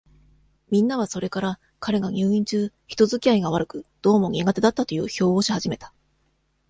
みんなは、それから、彼が入院中、人づきあいが悪く、どうも苦手だったという評をし始めた。